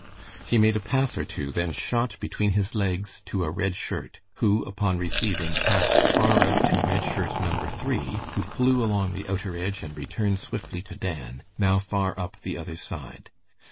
He made a pass or two, then shot between his legs to a Red Shirt, who, upon receiving, passed far out to Red Shirt number three, who flew along the outer edge and returned swiftly to Dan, now far up the other side.